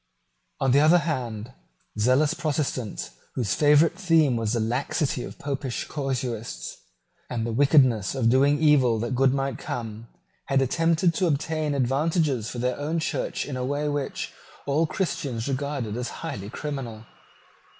On the other hand, zealous Protestants, whose favourite theme was the laxity of Popish casuists and the wickedness of doing evil that good might come, had attempted to obtain advantages for their own Church in a way which all Christians regarded as highly criminal.